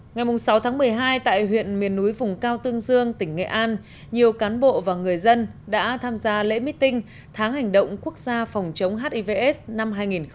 ngày sáu tháng một mươi hai tại huyện miền núi vùng cao tương dương tỉnh nghệ an nhiều cán bộ và người dân đã tham gia lễ mít tinh tháng hành động quốc gia phòng chống hiv aids năm hai nghìn một mươi bảy